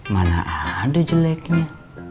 mana ada jeleknya